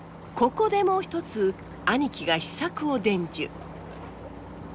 ここでもう一つ兄貴が秘策を伝授。